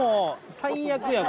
最悪やん！